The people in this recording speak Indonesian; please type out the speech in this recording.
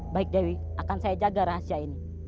baik dewi akan saya jaga rahasia ini